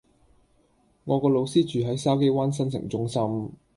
我個老師住喺筲箕灣新成中心